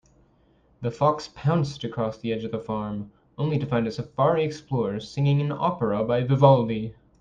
The fox pounced across the edge of the farm, only to find a safari explorer singing an opera by Vivaldi.